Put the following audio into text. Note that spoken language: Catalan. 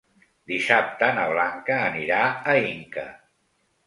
Dissabte na Blanca anirà a Inca.